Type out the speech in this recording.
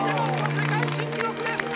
世界新記録です！